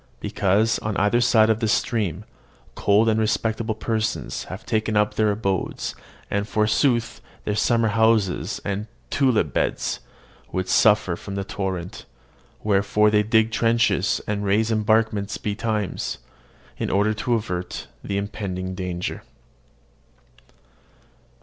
Because, on either side of this stream, cold and respectable persons have taken up their abodes, and, forsooth, their summer houses and tulip beds would suffer from the torrent; wherefore they dig trenches, and raise embankments betimes, in order to avert the impending danger.